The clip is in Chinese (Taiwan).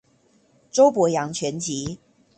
周伯陽全集